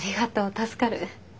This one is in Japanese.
助かる。